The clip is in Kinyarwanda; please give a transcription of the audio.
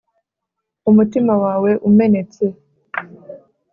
umutima wawe umenetse